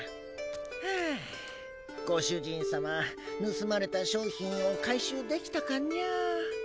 はあご主人様ぬすまれた商品を回収できたかにゃ。